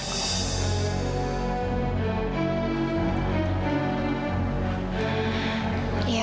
kamu akan dihukum